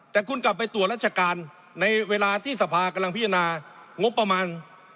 แต่คุณกลับไปตรวจราชการในเวลาที่สภากำลังพิจารณางบประมาณ